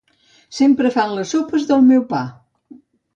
Sempre fan les sopes del meu pa.